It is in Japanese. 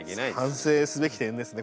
反省すべき点ですね